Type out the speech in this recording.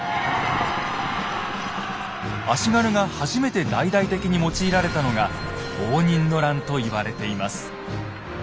足軽が初めて大々的に用いられたのが応仁の乱と言われています。